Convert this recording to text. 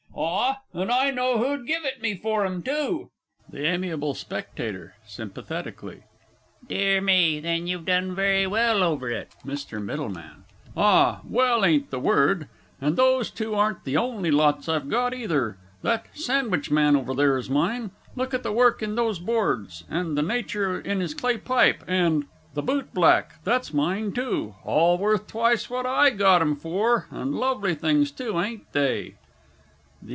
Ah, and I know who'd give it me for 'em, too! THE A. S. (sympathetically). Dear me, then you've done very well over it. MR. M. Ah, well ain't the word and those two aren't the only lots I've got either. That "Sandwich Man" over there is mine look at the work in those boards, and the nature in his clay pipe; and "The Boot Black," that's mine, too all worth twice what I got 'em for and lovely things, too, ain't they? THE A.